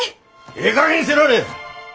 ええかげんにせられえ！